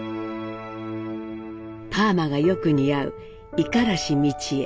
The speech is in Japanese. パーマがよく似合う五十嵐美智榮。